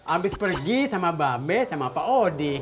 abis pergi sama mbak mbe sama pak odi